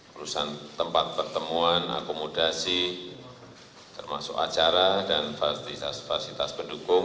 perusahaan tempat pertemuan akomodasi termasuk acara dan fasilitas fasilitas pendukung